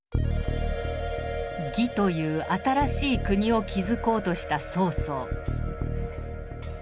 魏という新しい国を築こうとした曹操。